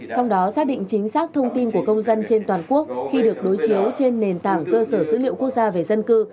trong đó xác định chính xác thông tin của công dân trên toàn quốc khi được đối chiếu trên nền tảng cơ sở dữ liệu quốc gia về dân cư